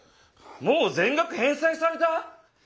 もう全額返済された？